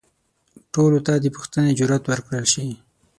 ټولو ته د پوښتنې جرئت ورکړل شي.